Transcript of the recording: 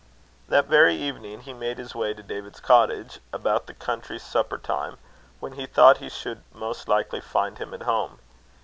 That very evening, he made his way to David's cottage, about the country supper time, when he thought he should most likely find him at home.